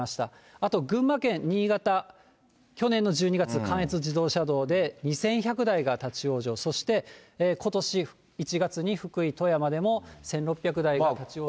あと群馬県、新潟、去年の１２月、関越自動車道で２１００台が立往生、そしてことし１月に福井、富山でも１６００台が立往生。